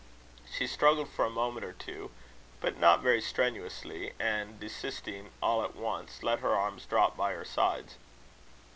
She struggled for a moment or two, but not very strenuously, and, desisting all at once, let her arms drop by her sides.